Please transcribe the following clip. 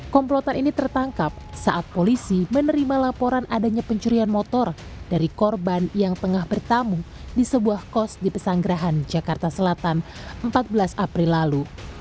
komplotan ini tertangkap saat polisi menerima laporan adanya pencurian motor dari korban yang tengah bertamu di sebuah kos di pesanggerahan jakarta selatan empat belas april lalu